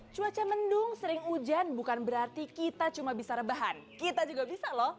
cuaca mendung sering hujan bukan berarti kita cuma bisa rebahan kita juga bisa loh